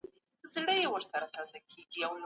د سياست اصول تل ثابت نه دي پاته سوي.